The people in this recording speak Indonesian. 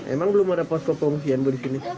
emang belum ada posko pengungsian bu di sini